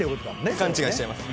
勘違いしちゃいます。